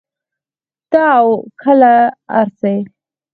تۀ او کله ار سې